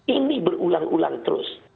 ini berulang ulang terus